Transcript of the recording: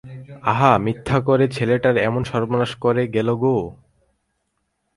আহা, মিথ্যা করে ছেলেটার এমন সর্বনাশ করে গেল গো!